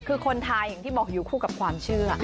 คือคนไทยอย่างที่บอกอยู่คู่กับความเชื่อ